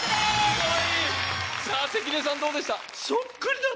関根さんどうでした？